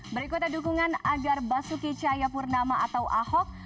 berikutan dukungan agar basuki chayapurnama atau ahok